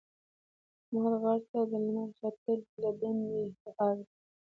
احمد غره ته لمر ختلی له دندې ارځي.